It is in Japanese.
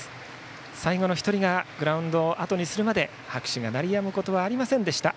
最後の１人がグラウンドをあとにするまで拍手が鳴り止むことはありませんでした